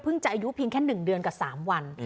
จะอายุเพียงแค่๑เดือนกับ๓วัน